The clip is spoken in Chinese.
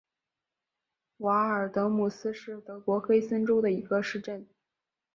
瓦尔德姆斯是德国黑森州的一个市镇。